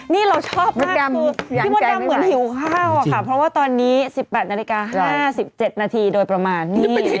นี่เราชอบมากคือพี่มดดำเหมือนหิวข้าวอะค่ะเพราะว่าตอนนี้๑๘นาฬิกา๕๗นาทีโดยประมาณนี่